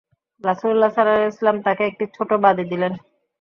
রাসূলুল্লাহ সাল্লাল্লাহু আলাইহি ওয়াসাল্লাম তাকে একটি ছোট বাঁদী দিলেন।